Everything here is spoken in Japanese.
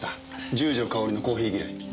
十条かおりのコーヒー嫌い。